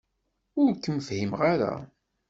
Ur kem-fhimeɣ ara.